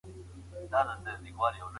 فشار د خبرو اترو کیفیت کموي.